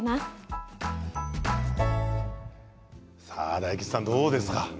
大吉さん、どうですか。